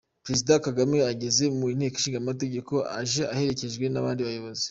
Perezida Kagame ageze mu Inteko inshingamategeko aje aherekejwe n’abandi bayobozi.